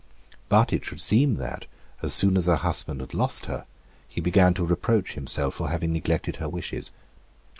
But it should seem that, as soon as her husband had lost her, he began to reproach himself for having neglected her wishes.